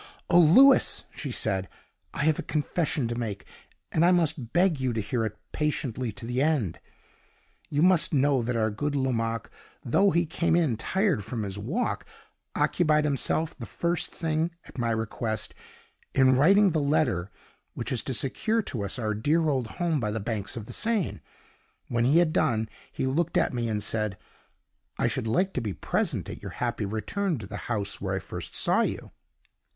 "Oh, Louis!" she said, "I have a confession to make, and I must beg you to hear it patiently to the end. You must know that our good Lomaque, though he came in tired from his walk, occupied himself the first thing, at my request, in writing the letter which is to secure to us our dear old home by the banks of the Seine. When he had done, he looked at me, and said, 'I should like to be present at your happy return to the house where I first saw you.